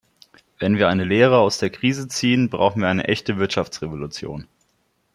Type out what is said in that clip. Wenn wir eine Lehre aus der Krise ziehen, brauchen wir eine echte Wirtschaftsrevolution.